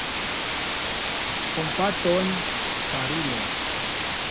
Kompaton, karulo!